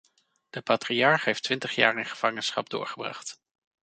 De patriarch heeft twintig jaar in gevangenschap doorgebracht.